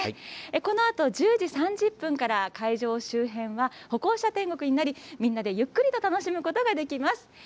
このあと１０時３０分から、会場周辺は、歩行者天国になり、みんなでゆっくりと楽しむことができます。